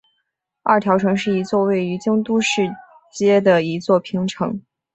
二条城是一座位于京都市街的一座平城。